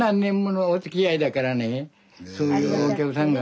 皆さんそういうお客さんが。